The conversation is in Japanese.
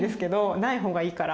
ないほうがいいから。